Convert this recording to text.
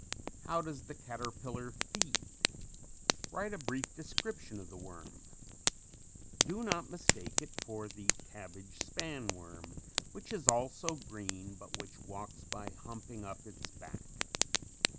How does the caterpillar feed? Write a brief description of the worm. Do not mistake it for the cabbage span worm which is also green, but which walks by humping up its back.